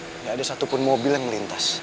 tidak ada satupun mobil yang melintas